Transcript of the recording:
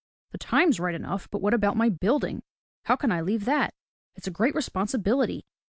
"The time's right enough, but what about my building? How can I leave that. It's a great responsibility."